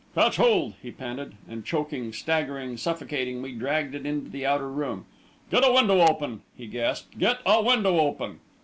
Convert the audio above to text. "Catch hold!" he panted; and choking, staggering, suffocating, we dragged it into the outer room. "Get a window open!" he gasped. "Get a window open!"